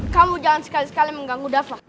kamu jangan sekali sekali mengganggu dafa